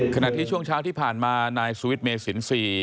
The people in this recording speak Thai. ขณะที่ช่วงเช้าที่ผ่านมานายสุวิทย์เมสินทรีย์